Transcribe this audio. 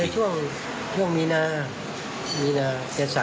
ก็จนไปรักษาโตที่โรงพยาบาล